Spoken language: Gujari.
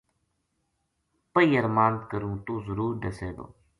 پَہی ارماند کروں توہ ضرور دسے گو